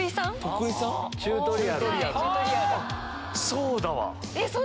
そうだわ！